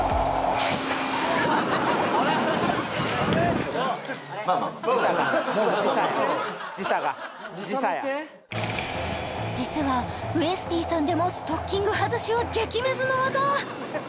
ちょっとちょっと実はウエスＰさんでもストッキング外しは激ムズの技